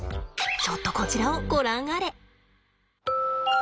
ちょっとこちらをご覧あれ。